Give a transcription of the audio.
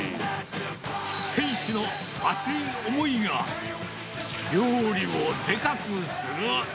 店主の熱い思いが、料理をでかくする。